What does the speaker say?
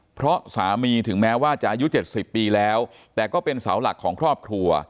เพราะสามีถึงแม้ว่าจะอายุ๗๐ปีแล้วแต่ก็เป็นเสาหลักของครอบครัว